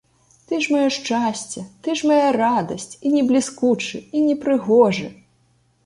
Ты ж маё шчасце, ты ж мая радасць, і не бліскучы, і не прыгожы.